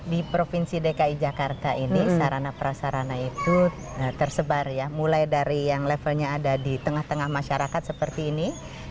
di provinsi dki jakarta ini sarana prasarana itu tersebar ya mulai dari yang levelnya ada di tengah tengah masyarakat seperti ini